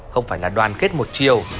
không phải là đoàn kết một chiều